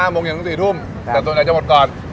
โมงเย็นถึง๔ทุ่มแต่ตัวไหนจะหมดก่อน